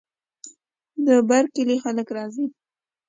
د بر کلي خلک راځي.